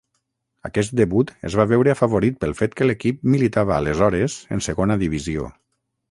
Aquest debut es va veure afavorit pel fet que l'equip militava aleshores en segona divisió.